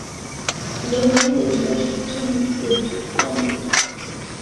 Il relie les villages du Tholy et de Tendon.